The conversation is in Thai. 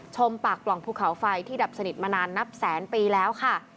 ชมปากปล่องภูเขาไฟที่ดับสนิทมานานนับแสนปีแล้วค่ะ